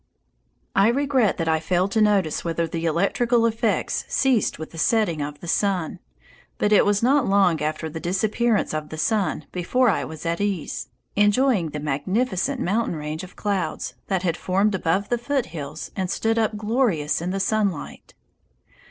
I regret that I failed to notice whether the electrical effects ceased with the setting of the sun, but it was not long after the disappearance of the sun before I was at ease, enjoying the magnificent mountain range of clouds that had formed above the foothills and stood up glorious in the sunlight.